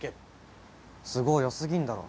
都合よ過ぎんだろ。